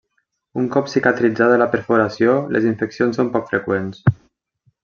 Un cop cicatritzada la perforació, les infeccions són poc freqüents.